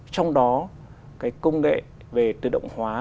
trong đó công nghệ về tự động hóa